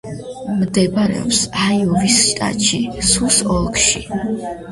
მდებარეობს აიოვის შტატში, სუს ოლქში.